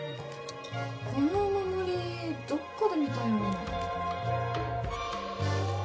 このお守りどっかで見たような。